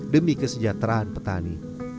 demi kesejahteraan petani